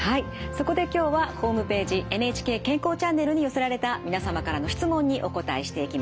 そこで今日はホームページ「ＮＨＫ健康チャンネル」に寄せられた皆様からの質問にお答えしていきます。